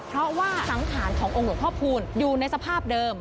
เพราะว่าสังขารขององค์หลวงพ่อคูณอยู่ในสภาพเดิม